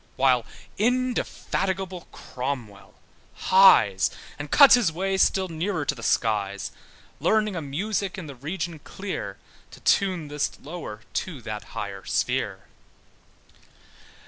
While indefatigable Cromwell hies, And cuts his way still nearer to the skies, Learning a music in the region clear, To tune this lower to that higher sphere.